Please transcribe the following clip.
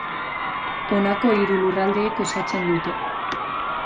Honako hiru lurraldeek osatzen dute.